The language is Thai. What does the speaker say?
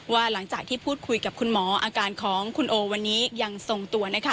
หลังจากที่พูดคุยกับคุณหมออาการของคุณโอวันนี้ยังทรงตัว